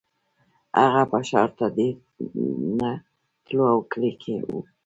هغه به ښار ته ډېر نه تلو او کلي کې و